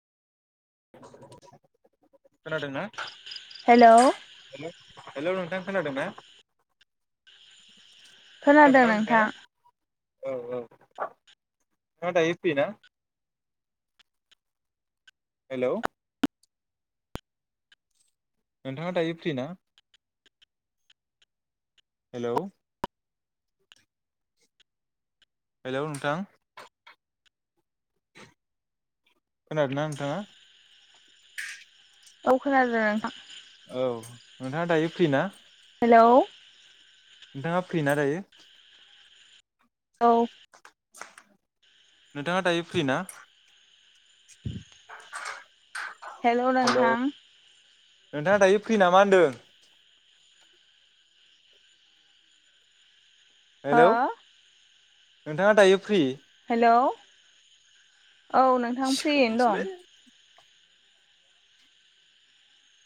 खोनादोंना? Hello hello hello नोंथां खोनादों ना? खोनादों ना नोंथांङा औ औ नोंथांङा दायो फ्रिना? हेलौ नोंथांङा दायो फ्रिना? हेलौ हेलौ नोंथां खोनादों ना नोंथांङा? औ खोनादों नोंथां औ नोंथांङा दायो फ्रिना? हेलौ नोंथांङा फ्रिना दायो? औ नोंथांङा दायो फ्रिना? उम [inaudible] हेलौ नोंथां नोंथांङा दायो फ्रि नामा होनदों? हो हेलौ नोंथांङा दायो फ्रि? हेलौ औ नोंथां फ्रियैनो दं।